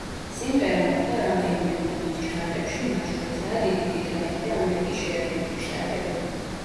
სიმღერა მოხვდა რამდენიმე ქვეყნის ჩარტებში მათ შორისაა დიდი ბრიტანეთი და ამერიკის შეერთებული შტატები.